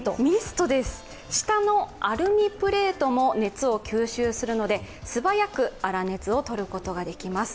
下のアルミプレートも熱を吸収するので素早くあら熱を取ることができます。